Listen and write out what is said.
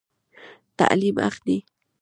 تعلیم حق دی